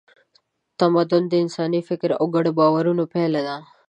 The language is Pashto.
تمدن د انساني فکر او ګډو باورونو پایله ده.